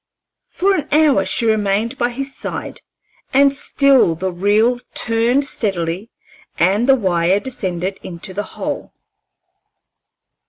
For an hour she remained by his side, and still the reel turned steadily and the wire descended into the hole.